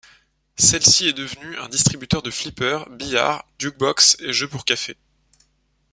Celle-ci est devenue un distributeur de flippers, billards, jukebox et jeux pour cafés.